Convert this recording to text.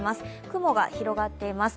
雲が広がっています。